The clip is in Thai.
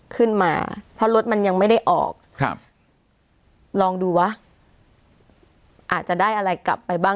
ขึ้นมาเพราะรถมันยังไม่ได้ออกครับลองดูวะอาจจะได้อะไรกลับไปบ้าง